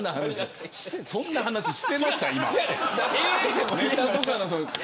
そんな話をしてました今。